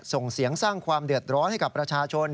ส่งเสียงสร้างความเดือดร้อนให้กับประชาชน